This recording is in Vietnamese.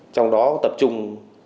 trong đó tập trung